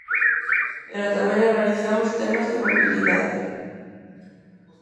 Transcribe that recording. Pero tamén analizamos temas de mobilidade.